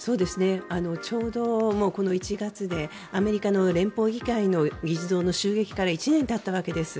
ちょうどこの１月でアメリカの連邦議会の議事堂の襲撃から１年たったわけです。